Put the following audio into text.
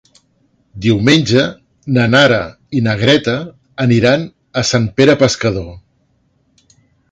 Diumenge na Nara i na Greta aniran a Sant Pere Pescador.